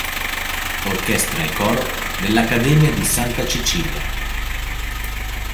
Orchestra e coro dell'Accademia di Santa Cecilia.